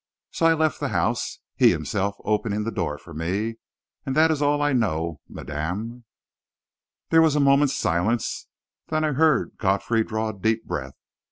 So I left the house, he himself opening the door for me. And that is all that I know, madame." There was a moment's silence; then I heard Godfrey draw a deep breath.